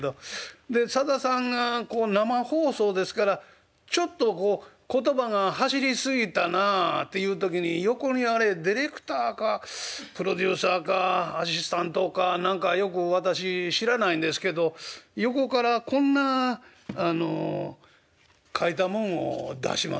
でさださんが生放送ですからちょっとこう言葉が走り過ぎたなあっていう時に横にあれディレクターかプロデューサーかアシスタントか何かよく私知らないんですけど横からこんな書いたもんを出しますわ。